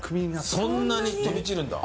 そんなに飛び散るんだ。